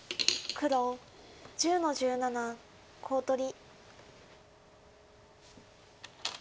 白１１の十七コウ取り。